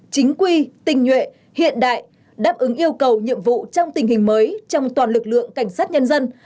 chính quy tinh nhuệ hiện đại đáp ứng yêu cầu nhiệm vụ trong tình hình mới trong toàn lực lượng cảnh sát nhân dân